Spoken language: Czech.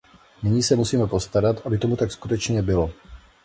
Nyní se musíme postarat, aby tomu tak skutečně bylo.